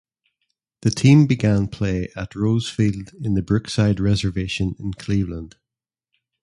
The team began play at Rose Field in the Brookside Reservation in Cleveland.